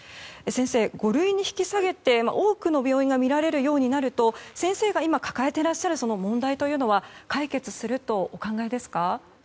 先生、五類に引き下げて多くの病院が診られるようになると先生が今、抱えていらっしゃる問題というのは解決するとお考えですか。